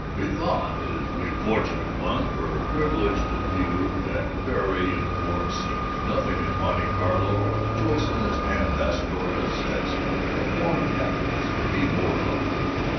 Methought as we fortunate one! were privileged to view that fairy and foreign scene, nothing at Monte Carlo or the choicest ambassadorial sets of foreign capitals could be more lovely.